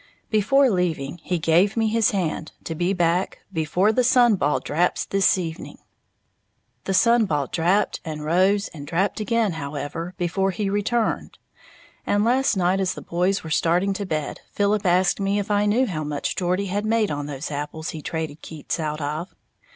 Before leaving, he "gave me his hand" to be back "before the sun ball draps this evening." The sun ball drapped and rose and drapped again, however, before he returned; and last night as the boys were starting to bed, Philip asked me if I knew how much Geordie had made on those apples he traded Keats out of.